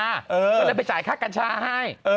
ก็เลยไปจ่ายค่ากัญชาให้